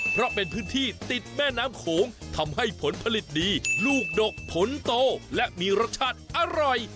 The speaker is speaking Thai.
เพราะเป็นพื้นที่ติดแม่น้ำโขงทำให้ผลผลิตดีลูกดกผลโตและมีรสชาติอร่อย